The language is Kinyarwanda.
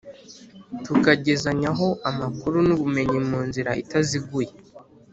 tukagezanyaho amakuru n’ubumenyi mu nzira itaziguye.